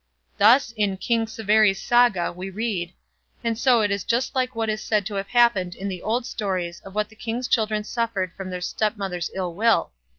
Thus, in King Sverri's Saga we read: "And so it was just like what is said to have happened in old stories of what the king's children suffered from their stepmother's ill will."